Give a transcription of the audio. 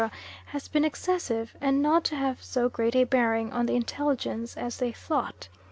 has been excessive and not to have so great a bearing on the intelligence as they thought.